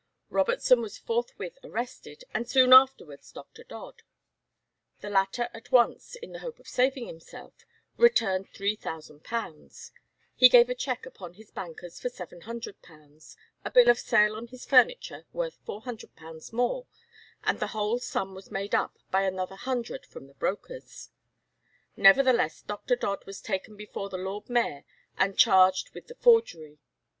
Robertson was forthwith arrested, and soon afterwards Dr. Dodd. The latter at once, in the hope of saving himself, returned £3000; he gave a cheque upon his bankers for £700, a bill of sale on his furniture worth £400 more, and the whole sum was made up by another hundred from the brokers. Nevertheless Dr. Dodd was taken before the Lord Mayor and charged with the forgery.